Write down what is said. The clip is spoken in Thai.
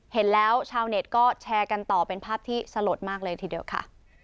เห็นแล้วชาวเน็ตก็แชร์กันต่อเป็นภาพที่สลดมากเลยทีเดียวค่ะ